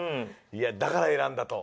いやだから選んだと？